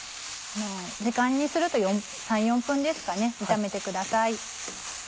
時間にすると３４分ですかね炒めてください。